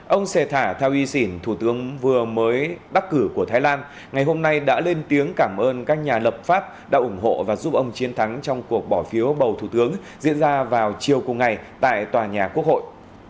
ông xe thả theo y xỉn thủ tướng vừa mới bắt cử của thái lan ngày hôm nay đã lên tiếng cảm ơn các nhà lập pháp đã ủng hộ và giúp ông chiến thắng trong cuộc bỏ phiếu bầu thủ tướng diễn ra vào chiều cùng ngày tại tòa nhà quốc hội